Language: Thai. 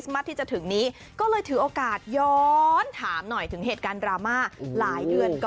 มาตอนรับท